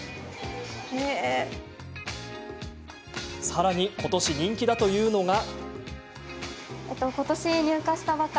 さらに、ことし人気だというのが。